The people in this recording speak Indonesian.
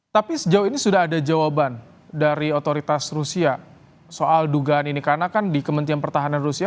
tapi sejauh ini sudah ada jawaban dari otoritas rusia soal dugaan ini karena kan di kementerian pertahanan rusia